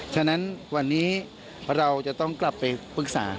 ฉะนั้นวันนี้เราจะต้องกลับไปปรึกษา